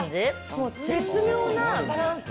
もう絶妙なバランス。